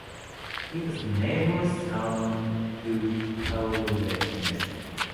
He was never summoned to Parliament.